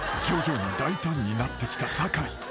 ［徐々に大胆になってきた酒井］